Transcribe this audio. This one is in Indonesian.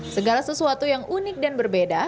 segala sesuatu yang unik dan berbeda